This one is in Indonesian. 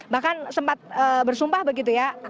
bahkan sempat bersumpah begitu ya